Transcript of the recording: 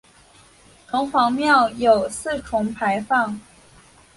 城隍庙有四重牌坊。